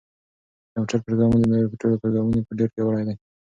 دا کمپیوټري پروګرام تر نورو ټولو پروګرامونو ډېر پیاوړی دی.